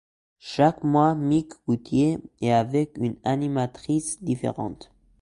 Chaque mois, Mike Gauthier est avec une animatrice différente.